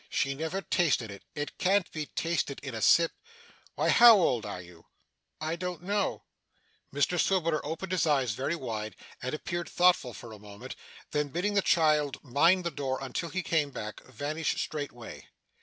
'She never tasted it it can't be tasted in a sip! Why, how old are you?' 'I don't know.' Mr Swiveller opened his eyes very wide, and appeared thoughtful for a moment; then, bidding the child mind the door until he came back, vanished straightway.